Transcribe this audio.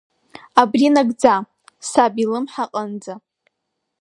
Абри нагӡа саб илымҳа аҟынӡа.